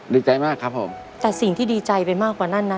ดีใจมากครับผมแต่สิ่งที่ดีใจไปมากกว่านั้นนะ